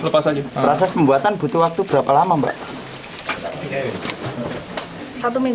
proses pembuatan butuh waktu berapa lama mbak